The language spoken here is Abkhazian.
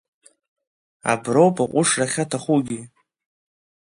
Аброуп аҟәышра ахьаҭахугьы!